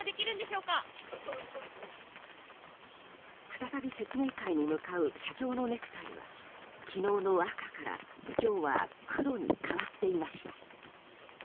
再び説明会に向かう社長のネクタイは昨日の赤から、今日は黒に変わっていました。